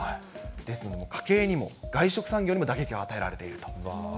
ですので、家計にも外食産業にも打撃を与えられていると。